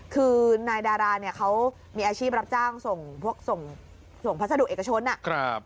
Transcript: คือนายดาราเนี่ยเขามีอาชีพรับจ้างส่งพวกส่งส่งพัสดุเอกชนอ่ะ